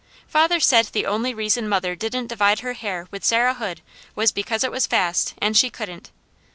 Father said the only reason mother didn't divide her hair with Sarah Hood was because it was fast, and she couldn't.